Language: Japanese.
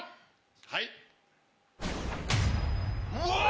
はい。